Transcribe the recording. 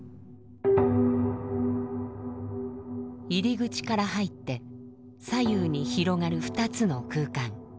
入り口から入って左右に広がる２つの空間。